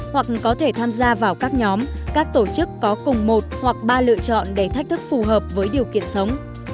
hoặc có thể tham gia vào các nhóm các tổ chức có cùng một hoặc ba lựa chọn để thách thức phù hợp với điều kiện sống